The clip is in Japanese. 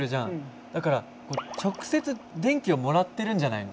だから直接電気をもらってるんじゃないの？